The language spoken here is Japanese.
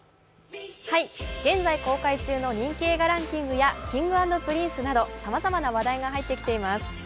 現在公開中の人気映画ランキングやＫｉｎｇ＆Ｐｒｉｎｃｅなどさまざまな話題が入ってきています。